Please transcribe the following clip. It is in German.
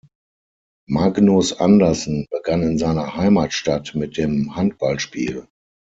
Magnus Andersen begann in seiner Heimatstadt mit dem Handballspiel.